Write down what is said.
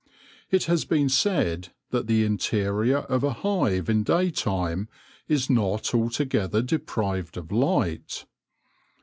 It has been said that the interior of a hive in day time is not altogether deprived of light.